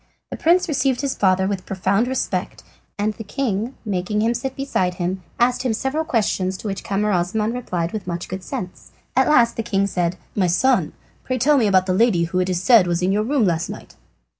The prince received his father with profound respect, and the king, making him sit beside him, asked him several questions, to which Camaralzaman replied with much good sense. At last the king said: "My son, pray tell me about the lady who, it is said, was in your room last night."